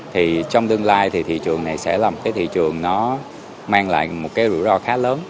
thì trong tương lai thì thị trường này sẽ là một cái thị trường nó mang lại một cái rủi ro khá lớn